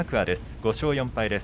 ５勝４敗です。